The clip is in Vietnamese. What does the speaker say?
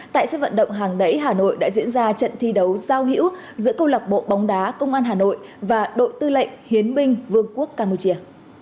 tại sân vận động hàng đẩy hà nội đã diễn ra trận thi đấu giao hữu giữa câu lạc bộ bóng đá công an hà nội và đội tư lệnh hiến binh vương quốc campuchia